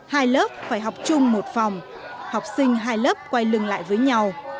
hai lớp phải học chung một phòng học sinh hai lớp quay lưng lại với nhau